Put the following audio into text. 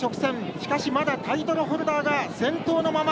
しかし、タイトルホルダーが先頭のまま。